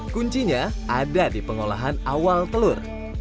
kuncinya ada di pengolahan awal telur